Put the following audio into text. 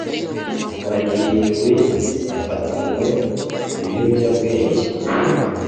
Baririndwi bafatanwe ibiyobyabwenge